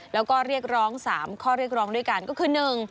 แล้วก็เรียกร้อง๓ข้อเรียกร้องด้วยกันก็คือ